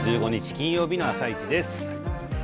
金曜日の「あさイチ」です。